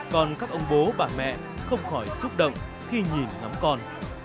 còn các ông bố bà mẹ không khỏi xúc động khi nhìn ngắm con